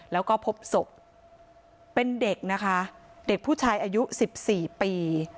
แล้วก็พบศพเป็นเด็กนะคะเด็กผู้ชายอายุ๑๔ปี